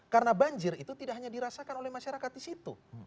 karena banjir itu tidak hanya dirasakan oleh masyarakat di situ